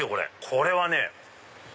これはね